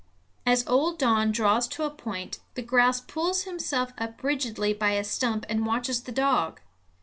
As old Don draws to a point, the grouse pulls himself up rigidly by a stump and watches the dog.